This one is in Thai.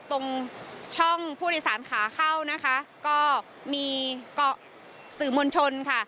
ตรงช่องผู้โดยสารขาเข้านะคะก็มีเกาะสื่อมวลชนค่ะ